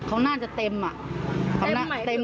เขาน่าจะเต็มอ่ะเต็มคาราเบล